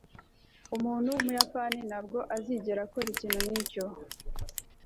umuntu wumuyapani ntabwo azigera akora ikintu nkicyo